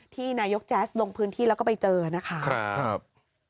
ที่นายกแจ๊สลงพื้นที่แล้วก็ไปเจอนะคะครับ